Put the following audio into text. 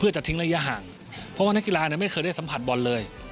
เพื่อจะทิ้งเรื่อยห่างเพราะว่านักกีฬาไม่ได้ได้กระโดดเลย